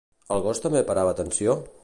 El gos també parava atenció?